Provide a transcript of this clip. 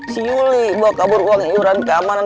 si yuli bawa kabur uang euran keamanan